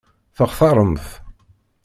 Textaṛem-t?